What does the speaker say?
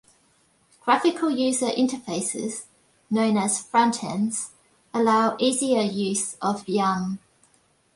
Graphical user interfaces, known as "front-ends", allow easier use of yum.